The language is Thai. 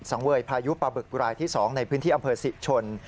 สังเวยภายุปาบึกบุรายที่๒ในพื้นที่อำเภอสิ่งชน